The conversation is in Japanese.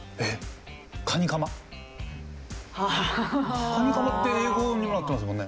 カニカマって英語になってますもんね？